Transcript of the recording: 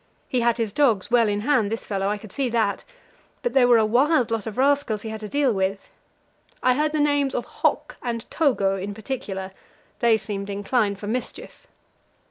He had his dogs well in hand, this fellow, I could see that; but they were a wild lot of rascals he had to deal with. I heard the names of Hok and Togo in particular; they seemed inclined for mischief.